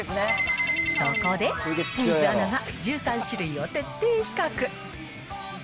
そこで、清水アナが１３種類を徹底比較。